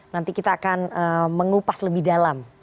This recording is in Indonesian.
nanti kita akan mengupas lebih dalam